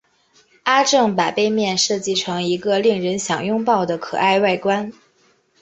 阿正把杯面设计成一个令人想拥抱的可爱外观。